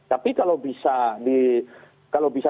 tapi kalau bisa